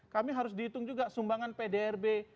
kami harus dihitung juga sumbangan pdrb